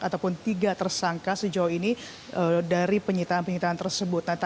ataupun tiga tersangka sejauh ini dari penyitaan penyitaan tersebut